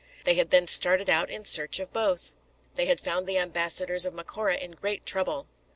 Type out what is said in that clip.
They had then started out in search of both. They had found the ambassadors of Macora in great trouble.